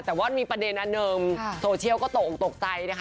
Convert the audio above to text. แต่ว่ามีประเดนอเดิมโซเชียลก็โตอ่งตกใจนะคะ